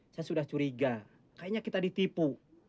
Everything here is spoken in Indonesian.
saya sudah curiga kayaknya kita ditipu